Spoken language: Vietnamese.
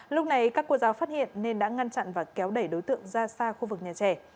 lúc này các cô giáo phát hiện nên đã ngăn chặn và kéo đẩy đối tượng ra xa khu vực nhà trẻ